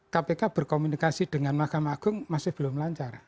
kpk berkomunikasi dengan mahkamah agung masih belum lancar